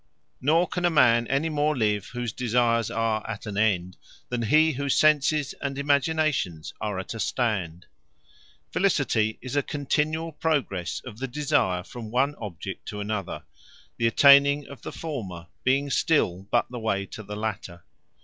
Nor can a man any more live, whose Desires are at an end, than he, whose Senses and Imaginations are at a stand. Felicity is a continuall progresse of the desire, from one object to another; the attaining of the former, being still but the way to the later.